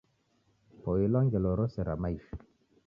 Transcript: Poilwa ngelo rose ra maisha